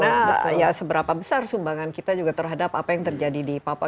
karena seberapa besar sumbangan kita juga terhadap apa yang terjadi di papua